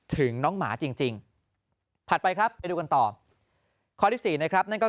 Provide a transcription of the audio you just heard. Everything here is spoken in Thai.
ถึงน้องหมาจริงผ่านไปครับดูกันต่อข้อที่๔นะครับนั่นก็